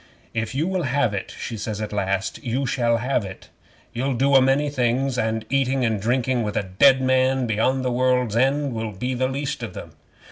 '"If you will have it," she says at last, "you shall have it. You'll do a many things, and eating and drinking with a dead man beyond the world's end will be the least of them.